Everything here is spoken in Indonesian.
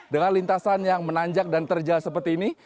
dengan lintasan yang menanjak dan terjal seperti ini